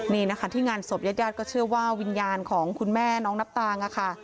นี่นะคะที่งานศพญาติญาติก็เชื่อว่าวิญญาณของคุณแม่น้องนับตางค่ะ